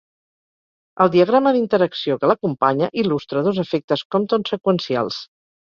El diagrama d'interacció que l'acompanya il·lustra dos efectes Compton seqüencials.